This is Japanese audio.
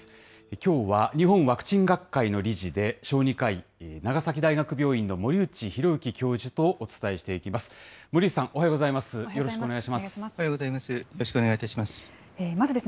きょうは日本ワクチン学会の理事で小児科医、長崎大学病院の森内浩幸教授とお伝えしていきます。